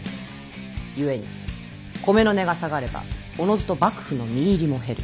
故に米の値が下がればおのずと幕府の実入りも減る。